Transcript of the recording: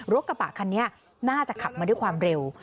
รถกระบะคันนี้น่าจะขับมาด้วยความเร็ว